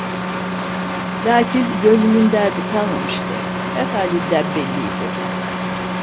Lâkin gönlünün derdi kalmamıştı, her halinden belliydi.